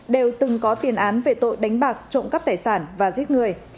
đều từng có tiền án về tội đánh bạc trộm cắp tài sản và giết người